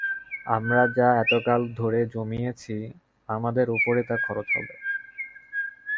আমরা যা এতকাল ধরে জমিয়েছি আমাদের উপরেই তা খরচ হবে।